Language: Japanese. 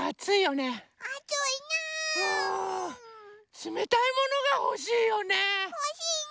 つめたいものがほしいよね。